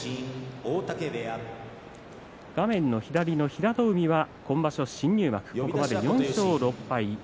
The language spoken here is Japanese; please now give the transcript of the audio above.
平戸海は今場所、新入幕ここまで４勝６敗。